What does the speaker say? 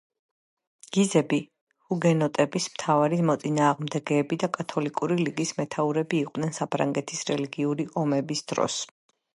გიზები ჰუგენოტების მთავარი მოწინააღმდეგეები და კათოლიკური ლიგის მეთაურები იყვნენ საფრანგეთის რელიგიური ომების დროს.